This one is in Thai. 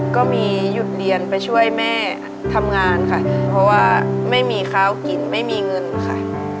ก็มีหยุดเรียนไปช่วยแม่ทำงานค่ะเพราะว่าไม่มีข้าวกินไม่มีเงินค่ะ